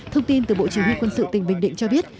thông tin từ bộ chủ nghĩa quân sự tỉnh bình định cho biết